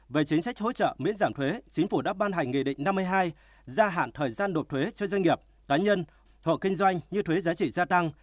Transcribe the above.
về chính sách hỗ trợ miễn giảm thuế chính phủ đã ban hành nghị định năm mươi hai gia hạn thời gian đột thuế cho doanh nghiệp cá nhân hộ kinh doanh như thuế giá trị gia tăng